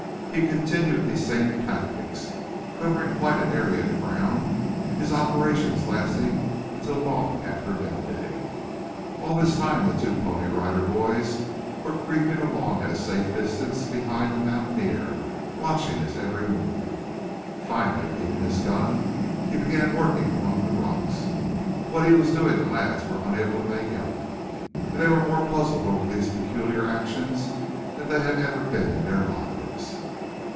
He continued these same tactics, covering quite an area of ground, his operations lasting until long after midday. All this time the two Pony Rider Boys were creeping along at a safe distance behind the mountaineer, watching his every movement. Finally, leaving his gun, he began working among the rocks. What he was doing the lads were unable to make out, and they were more puzzled over these peculiar actions than they ever had been in their lives.